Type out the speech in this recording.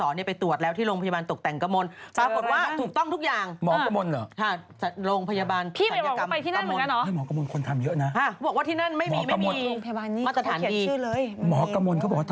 ใน๑๔๕๘แห่งทั้งหมดต้องปฏิบัติตามพรบอนิกส์